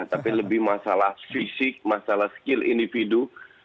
tapi lebih masalah fisik masalah skill individu